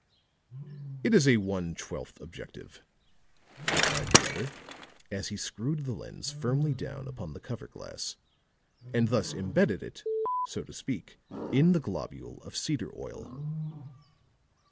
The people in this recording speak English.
"It is a one twelfth objective," replied the other, as he screwed the lens firmly down upon the cover glass, and thus embedded it, so to speak, in the globule of cedar oil.